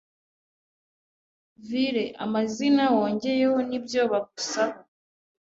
Vile ... amazina .wongeyeho nibyo bagusaba..